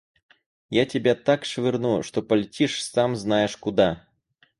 Я тебя так швырну, что полетишь, сам знаешь, куда!